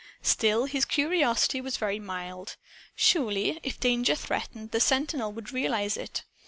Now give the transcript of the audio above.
Still his curiosity was very mild. Surely, if danger threatened, the sentinel would realize it.